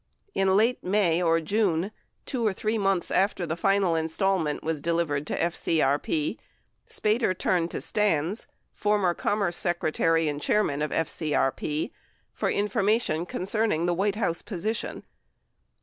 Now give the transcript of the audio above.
In late May or June, 2 or 3 months after the final installment was delivered to FCBP, Spater turned to Stans, former Commerce Secretary and Chairman of FCBP, for in formation concerning the White House position.